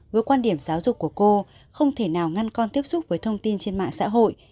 với quan điểm giáo dục của cô không thể nào ngăn con tiếp xúc với thông tin trên mạng xã hội